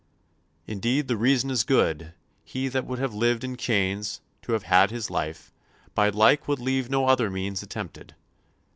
Indeed the reason is good, he that would have lived in chains, to have had his life, by like would leave no other means attempted.